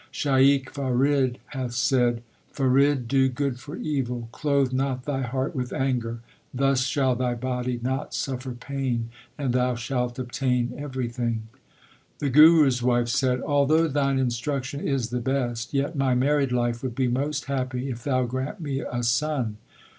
Shaikh Farid hath said : Farid, do good for evil, clothe not thy heart with anger ; Thus shall thy body not suffer pain, and thou shalt obtain everything. 3 The Guru s wife said : Although thine instruction is the best, yet my married life would be most happy if thou grant me a son.